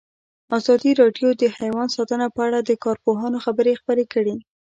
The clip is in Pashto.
ازادي راډیو د حیوان ساتنه په اړه د کارپوهانو خبرې خپرې کړي.